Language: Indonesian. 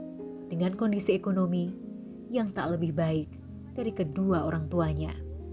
dan merantau keluar daerah dengan kondisi ekonomi yang tak lebih baik dari kedua orang tuanya